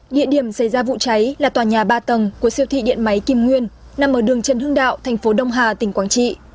địa điểm xảy ra vụ cháy là tòa nhà ba tầng của siêu thị điện máy kim nguyên nằm ở đường trần hưng đạo thành phố đông hà tỉnh quảng trị